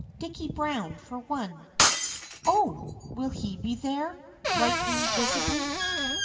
Dicky Brown, for one." "Oh! will he be there?" brightening visibly.